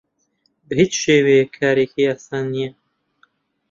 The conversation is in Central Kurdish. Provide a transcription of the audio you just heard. بە هیچ شێوەیەک کارێکی ئاسان نییە.